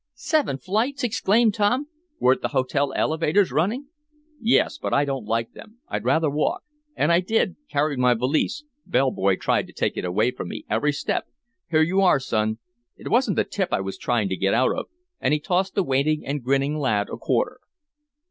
Seven flights?" exclaimed Tom. "Weren't the hotel elevators running?" "Yes, but I don't like them. I'd rather walk. And I did carried my valise bellboy tried to take it away from me every step here you are, son it wasn't the tip I was trying to get out of," and he tossed the waiting and grinning lad a quarter.